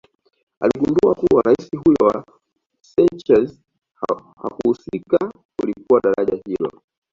Aligundua kuwa raia huyo wa Seychelles hakuhusika kulipua daraja hilo